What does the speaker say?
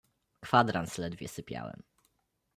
"Kwadrans ledwie sypiałem."